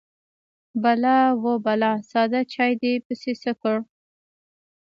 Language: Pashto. _بلا ، وه بلا! ساده چاې دې پسې څه کړ؟